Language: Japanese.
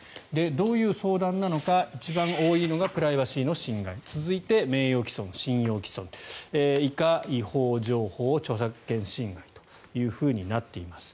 どういう相談なのか一番多いのがプライバシーの侵害続いて、名誉毀損・信用毀損以下、違法情報著作権侵害となっています。